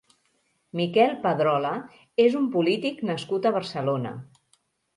Miquel Pedrola és un polític nascut a Barcelona.